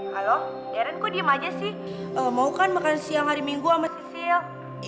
halo deren kok diem aja sih mau kan makan siang hari minggu sama sisiel